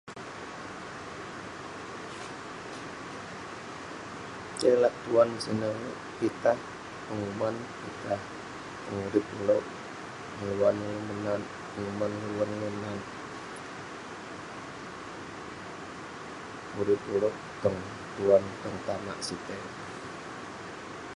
Tai lak tuan sineh, pitah penguman, pitah pengurip ulouk, ngeluan ulouk menat penguman, ngeluan ulouk menat urip ulouk tong tuan, tong tanak sitey..